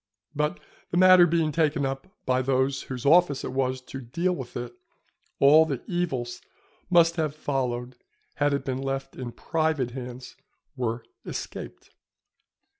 But the matter being taken up by those whose office it was to deal with it, all the evils which must have followed had it been left in private hands were escaped.